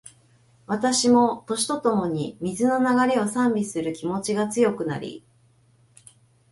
私も、年とともに、水の流れを賛美する気持ちが強くなり